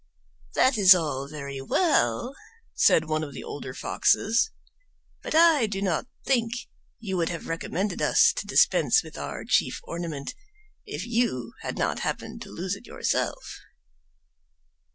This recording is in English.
"That is all very well," said one of the older foxes; "but I do not think you would have recommended us to dispense with our chief ornament if you had not happened to lose it yourself."